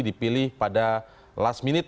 dipilih pada last minute